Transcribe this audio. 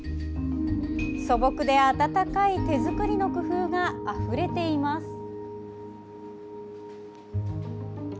素朴で温かい手作りの工夫があふれています。